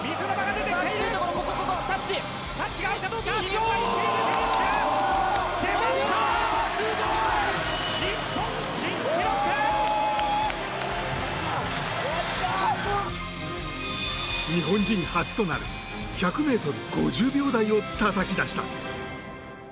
出ました、日本新記録！日本人初となる１００ｍ５０秒台をたたき出した。